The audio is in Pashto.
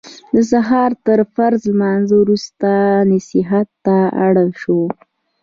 د سهار تر فرض لمانځه وروسته نصیحت ته اړم شو.